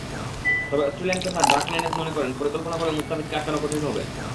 তবে Australian pacer Dirk Nannes মনে করেন, পরিকল্পনা করেও মুস্তাফিজকে আটকানো কঠিন হবে।